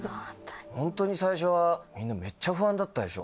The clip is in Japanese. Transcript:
ホントに最初はみんなめっちゃ不安だったでしょ？